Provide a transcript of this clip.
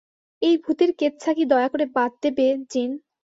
এই ভূতের কেচ্ছা কি দয়া করে বাদ দেবে, জিন?